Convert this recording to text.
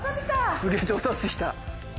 すげぇ上達した。